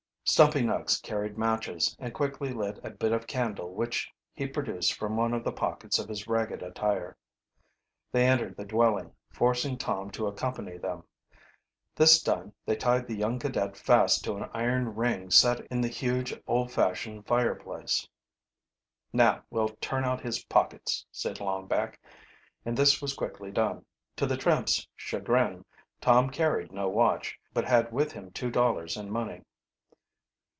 Stumpy Nuggs carried matches, and quickly lit a bit of candle which he produced from one of the pockets of his ragged attire. They entered the dwelling, forcing Tom to accompany them. This done they tied the young cadet fast to an iron ring set in the huge old fashion fireplace. "Now we'll turn out his pockets," said Longback, and this was quickly done. To the tramps' chagrin Tom carried no watch, but had with him two dollars in money.